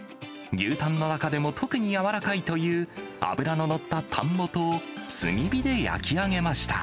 牛たんの中でも特に柔らかいという脂ののったタンもとを、炭火で焼き上げました。